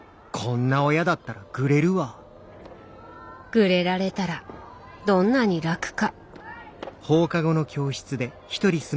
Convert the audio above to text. グレられたらどんなに楽か。